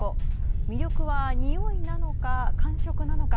魅力は、においなのか感触なのか